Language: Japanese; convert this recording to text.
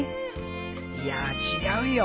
いや違うよ。